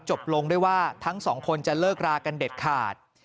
จบลงด้วยว่าทั้งสองคนจะเลิกรากันเด็ดขาด